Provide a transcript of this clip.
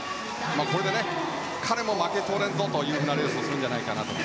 これで彼も、負けておれんぞというレースをするのではと。